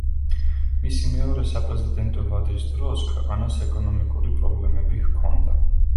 მისი მეორე საპრეზიდენტო ვადის დროს ქვეყანას ეკონომიკური პრობლემები ჰქონდა.